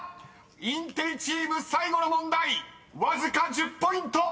［インテリチーム最後の問題わずか１０ポイント］